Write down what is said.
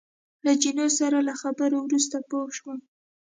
له جینو سره له خبرو وروسته پوه شوم.